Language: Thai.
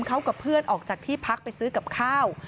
เขากับเพื่อนออกจากที่พักไปซื้อกับข้าว